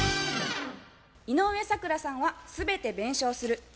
井上咲楽さんは「全て弁償する」